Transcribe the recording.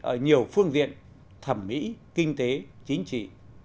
ở nhiều phương diện thẩm mỹ kinh tế chính trị